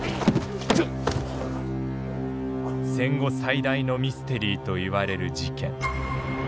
戦後最大のミステリーといわれる事件。